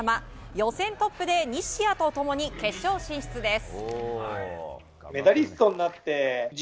予選トップで西矢と共に決勝進出です。